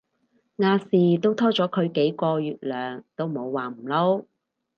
亞視都拖咗佢幾個月糧都冇話唔撈